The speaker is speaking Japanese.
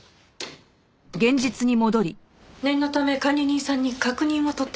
念のため管理人さんに確認を取ってみたの。